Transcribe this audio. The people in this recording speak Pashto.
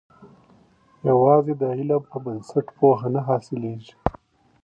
یوازي د علم په بنسټ پوهه نه حاصل کېږي.